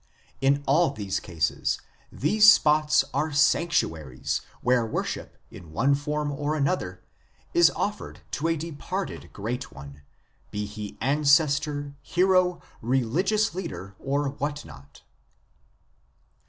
In all these cases these spots are sanctuaries where worship in one form or another is offered to a departed great one, be he ancestor, hero, religious leader, or what not.